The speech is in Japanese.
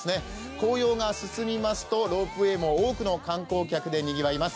紅葉が進みますとロープウエーも多くの観光客でにぎわいます。